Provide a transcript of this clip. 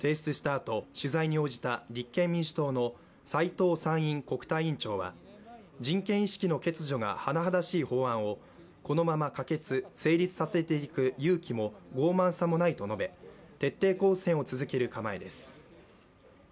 あと取材に応じた立憲民主党の斎藤参院国対委員長は人権意識の欠如が甚だしい法案もこのまま可決・成立させていく勇気も傲慢さもないと述べ徹底抗戦を続ける構えです。